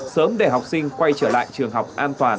sớm để học sinh quay trở lại trường học an toàn